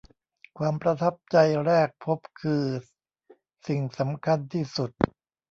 ความประทับใจแรกพบคือสิ่งสำคัญที่สุด